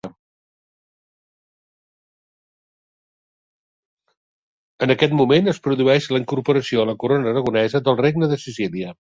En aquest moment es produeix la incorporació a la Corona Aragonesa del Regne de Sicília.